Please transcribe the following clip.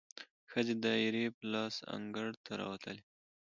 ښځې دایرې په لاس انګړ ته راووتلې،